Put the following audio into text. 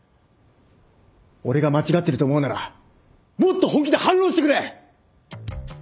俺が間違ってると思うならもっと本気で反論してくれ！